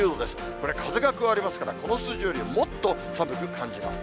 これ、風が加わりますから、この数字より、もっと寒く感じます。